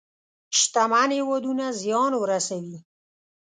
شتمن هېوادونه زيان ورسوي.